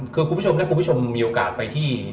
คือคุณผู้ชมและคุณผู้ชมมีโอกาสไปที่